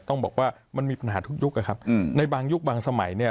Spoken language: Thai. ต้องบอกว่ามันมีปัญหาทุกยุคอะครับในบางยุคบางสมัยเนี่ย